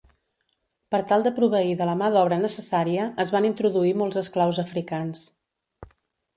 Per tal de proveir de la mà d'obra necessària, es van introduir molts esclaus africans.